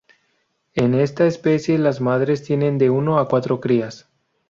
En esta especie las madres tienen de uno a cuatro crías.